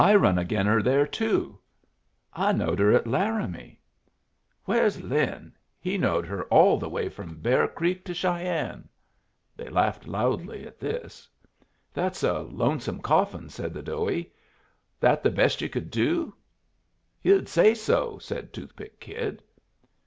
I run again her there, too." "I knowed her at Laramie." "Where's Lin? He knowed her all the way from Bear Creek to Cheyenne." They laughed loudly at this. "That's a lonesome coffin," said the Doughie. "That the best you could do?" "You'd say so!" said Toothpick Kid.